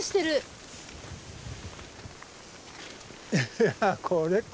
いやこれか。